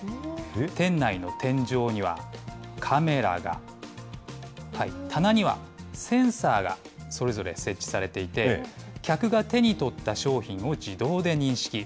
店内の天井にはカメラが、棚にはセンサーがそれぞれ設置されていて、客が手に取った商品を自動で認識。